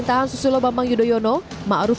yang memilih saya untuk menjadi cawa pres